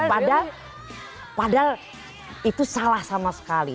padahal itu salah sama sekali